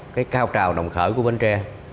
cao trào đồng khởi của bến tre